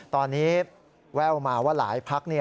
ตอนนี้แววมาว่าหลายพัก